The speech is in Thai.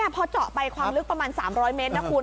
พอเจาะไปความลึกประมาณ๓๐๐เมตรนะคุณ